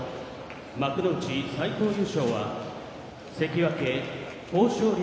幕内最高優勝は関脇豊昇龍